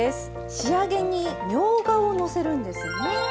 仕上げにみょうがをのせるんですね。